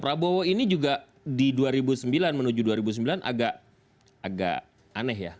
prabowo ini juga di dua ribu sembilan menuju dua ribu sembilan agak aneh ya